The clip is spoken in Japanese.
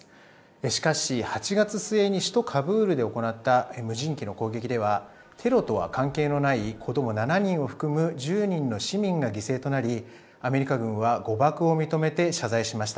しかし、８月末に首都カブールで行った無人機の攻撃ではテロとは関係のない子ども７人を含む１０人の市民が犠牲となりアメリカ軍は誤爆を認めて謝罪しました。